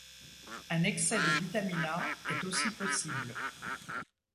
Un excès de vitamine A est aussi possible.